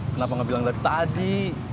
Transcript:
kenapa gak bilang dari tadi